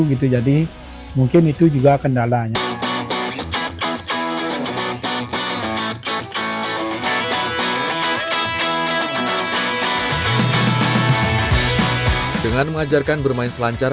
gitu jadi mungkin itu juga kendalanya dengan mengajarkan bermain selancar